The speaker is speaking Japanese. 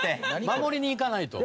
「守りにいかないと」